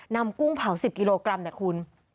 นำกุ้งเผา๑๐กิโลกรัมแต่คุณ